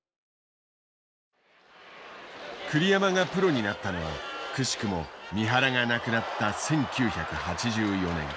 栗山がプロになったのはくしくも三原が亡くなった１９８４年。